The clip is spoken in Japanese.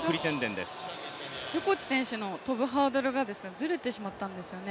横地選手の跳ぶハードルがずれてしまったんですね